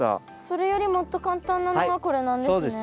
それよりもっと簡単なのがこれなんですね。